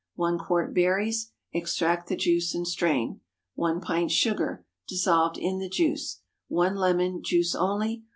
1 quart berries. Extract the juice and strain. 1 pint sugar—dissolved in the juice. 1 lemon—juice only.